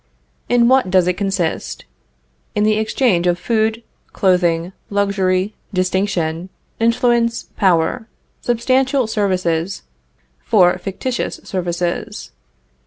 In what does it consist? In the exchange of food, clothing, luxury, distinction, influence, power substantial services for fictitious services.